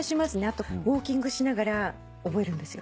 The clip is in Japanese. あとウオーキングしながら覚えるんです。